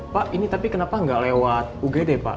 pak ini tapi kenapa nggak lewat ugd pak